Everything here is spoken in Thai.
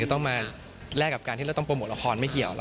ต้องมาแลกกับการที่เราต้องโปรโมทละครไม่เกี่ยว